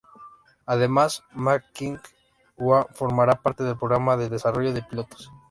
Además Ma Qing Hua formara parte del programa de desarrollo de pilotos.